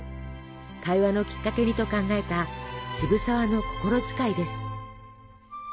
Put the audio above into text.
会話のきっかけにと考えた渋沢の心遣いです。